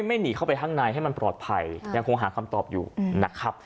ไม่หนีเข้าไปข้างในให้มันปลอดภัยยังคงหาคำตอบอยู่นะครับ